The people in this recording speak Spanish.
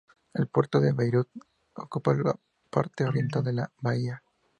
El puerto de Beirut ocupa la parte oriental de la bahía.